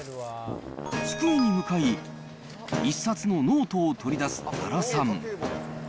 机に向かい、一冊のノートを取り出す多良さん。